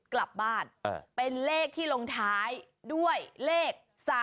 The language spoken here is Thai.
กลับบ้านเป็นเลขที่ลงท้ายด้วยเลข๓๔